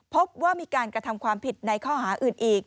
พบว่ามีการกระทำความผิดในข้อหาอื่นอีก